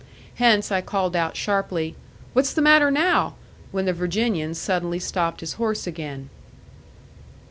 Hence I called out sharply, "What's the matter now?" when the Virginian suddenly stopped his horse again.